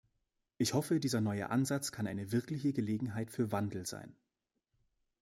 Ich hoffe, dieser neue Ansatz kann eine wirkliche Gelegenheit für Wandel sein.